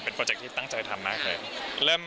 โปรเจคที่ตั้งใจทำมากเลย